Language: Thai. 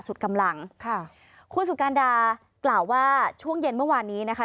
สุดกำลังค่ะคุณสุการดากล่าวว่าช่วงเย็นเมื่อวานนี้นะคะ